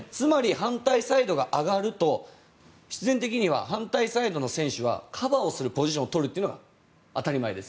反対サイドが上がると必然的には反対サイドの選手はカバーをするポジションを取るというのが当たり前です。